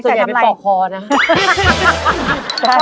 ส่วนใหญ่เป็นปอกคอนะ